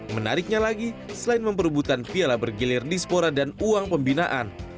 menariknya lagi selain memperebutkan piala bergilir di spora dan uang pembinaan